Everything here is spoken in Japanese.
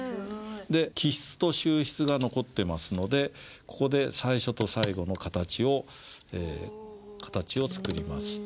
で起筆と収筆が残ってますのでここで最初と最後の形を作ります。